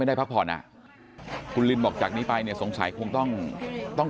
ได้พักผ่อนอ่ะคุณลินบอกจากนี้ไปเนี่ยสงสัยคงต้องต้อง